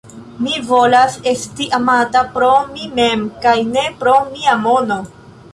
Mi volas esti amata pro mi mem kaj ne pro mia mono!